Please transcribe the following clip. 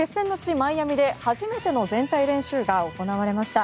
マイアミで初めての全体練習が行われました。